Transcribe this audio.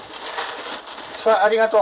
さあありがとう。